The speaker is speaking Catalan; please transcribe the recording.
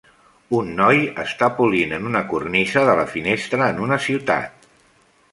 Un noi està polint en una cornisa de la finestra en una ciutat.